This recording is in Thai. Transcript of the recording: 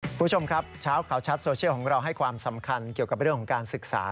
คุณผู้ชมครับเช้าข่าวชัดโซเชียลของเราให้ความสำคัญเกี่ยวกับเรื่องของการศึกษา